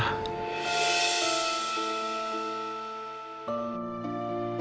sudah memaafkan elsa